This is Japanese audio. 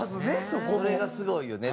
それがすごいよね。